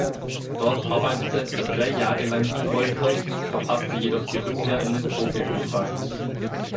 Dort arbeitete er drei Jahre lang erfolgreich verpasste jedoch die Rückkehr in den Profifußball.